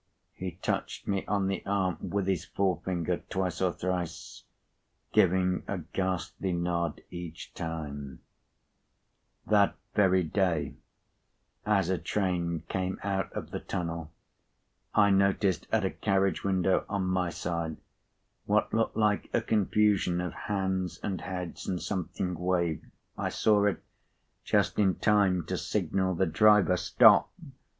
He touched me on the arm with his forefinger twice or thrice, giving a ghastly nod each time: "That very day, as a train came out of the tunnel, I noticed, at a carriage window on my side, what looked like a confusion of hands and heads, and something waved. I saw it, just in time to signal the driver, Stop!